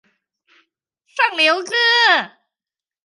上流哥